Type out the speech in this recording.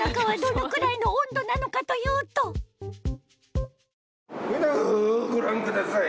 うご覧ください。